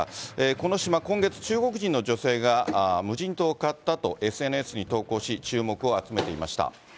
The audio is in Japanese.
この島、今月、中国人の女性が無人島を買ったと、ＳＮＳに投稿し、注目を集めていました。